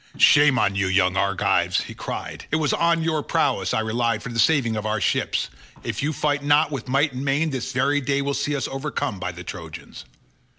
"Shame on you young Argives," he cried, "it was on your prowess I relied for the saving of our ships; if you fight not with might and main, this very day will see us overcome by the Trojans.